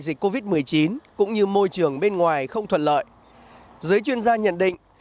dịch covid một mươi chín cũng như môi trường bên ngoài không thuận lợi giới chuyên gia nhận định